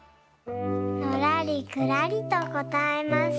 のらりくらりとこたえます。